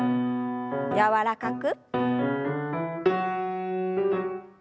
柔らかく。